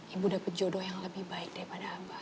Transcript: ibu dapat jodoh yang lebih baik daripada abah